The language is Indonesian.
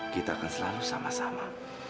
kita akan selalu sama sama